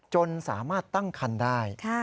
จนสามารถตั้งคันได้